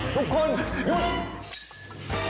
ทุกคนหยุด